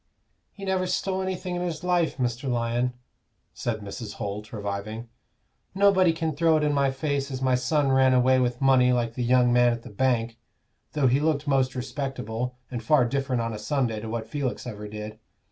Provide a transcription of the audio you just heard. "He never stole anything in his life, Mr. Lyon," said Mrs. Holt, reviving. "Nobody can throw it in my face as my son ran away with money like the young man at the bank though he looked most respectable, and far different on a Sunday to what Felix ever did.